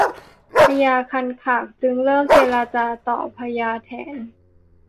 พญาคันคากจึงเริ่มเจรจาต่อพญาแถน